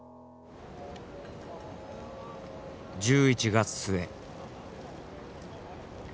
１１月末。